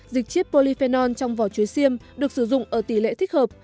dịch chếp polyphenol trong vỏ chuối xiêm được sử dụng ở tỷ lệ thích hợp